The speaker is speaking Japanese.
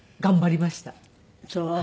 そう。